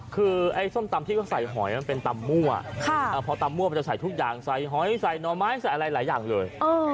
คือไอ้ส้มตำที่เขาใส่หอยมันเป็นตำมั่วพอตำมั่วมันจะใส่ทุกอย่างใส่หอยใส่หน่อไม้ใส่อะไรหลายอย่างเลย